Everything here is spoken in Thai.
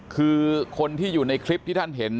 คือคนที่อยู่ในคลิปที่ท่านเห็น